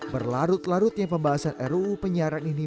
berlarut larutnya pembahasan ruu penyiaran ini